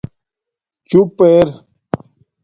چُوپ اِر